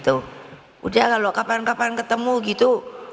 udah kalau kapan kapan ketemu gitu